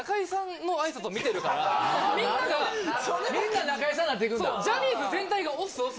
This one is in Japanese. みんな中居さんになっていくんだ